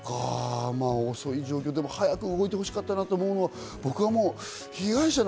遅い状況でも早く動いてほしかったなと思う。